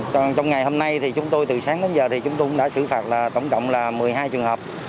còn trong ngày hôm nay thì chúng tôi từ sáng đến giờ thì chúng tôi cũng đã xử phạt là tổng cộng là một mươi hai trường hợp